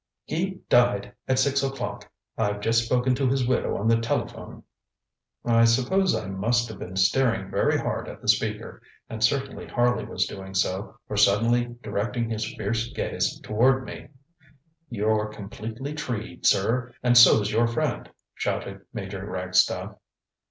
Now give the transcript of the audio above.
He died at six o'clock. I've just spoken to his widow on the telephone. ŌĆØ I suppose I must have been staring very hard at the speaker, and certainly Harley was doing so, for suddenly directing his fierce gaze toward me: ŌĆ£You're completely treed, sir, and so's your friend! ŌĆØ shouted Major Ragstaff.